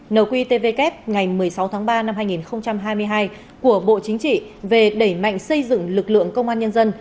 nqtvk ngày một mươi sáu tháng ba năm hai nghìn hai mươi hai của bộ chính trị về đẩy mạnh xây dựng lực lượng công an nhân dân